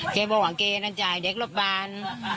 เคยบอกว่าเคยอาจจะให้เด็กลบบาน